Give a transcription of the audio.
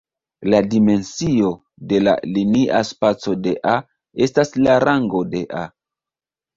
La dimensio de la linia spaco de "A" estas la rango de "A".